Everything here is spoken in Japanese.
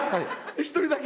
１人だけ？